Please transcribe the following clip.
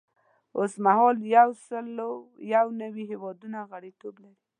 اوس مهال یو سل او یو نوي هیوادونه غړیتوب لري.